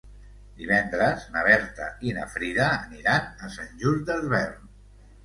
Divendres na Berta i na Frida aniran a Sant Just Desvern.